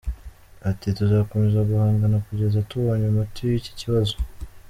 Ati “Tuzakomeza guhangana kugeza tubonye umuti w’iki kibazo.